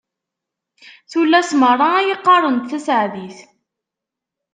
Tullas meṛṛa ad yi-qqarent taseɛdit.